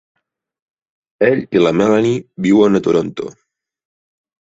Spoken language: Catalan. Ell i la Melanie viuen a Toronto.